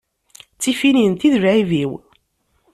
D tiffinyent i d lεib-iw.